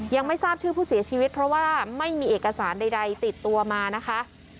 ยังไม่ทราบชื่อผู้เสียชีวิตเพราะว่าไม่มีเอกสารใดติดตัวมานะคะ